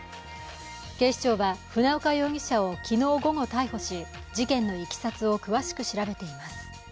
警視庁は船岡容疑者を昨日午後逮捕し事件のいきさつを詳しく調べています。